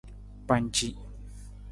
Panci.